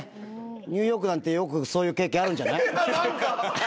ニューヨークなんてよくそういう経験あるんじゃない？